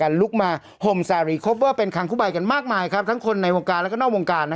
ในหนังภาพยังเขาเซ็ตถาม